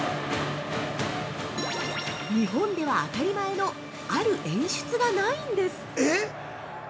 日本では当たり前の「ある演出」がないんです。